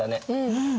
うん。